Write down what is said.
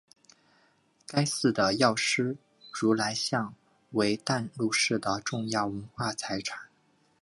该寺的药师如来像为淡路市的重要文化财产。